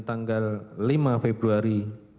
tanggal lima februari